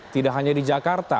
tidak hanya di jakarta